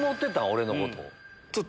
俺のこと。